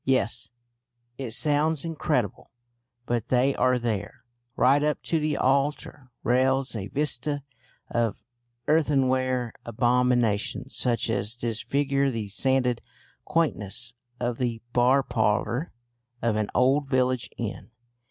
Yes, it sounds incredible, but they are there right up to the altar rails a vista of earthenware abominations such as disfigure the sanded quaintness of the bar parlour of an old village inn.